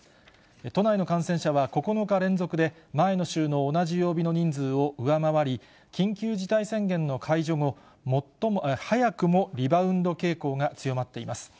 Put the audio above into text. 都内の感染者は９日連続で、前の週の同じ曜日の人数を上回り、緊急事態宣言の解除後、早くもリバウンド傾向が強まっています。